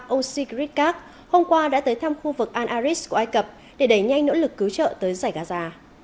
ông sigrid kaak hôm qua đã tới thăm khu vực al aris của ai cập để đẩy nhanh nỗ lực cứu trợ tới giải gaza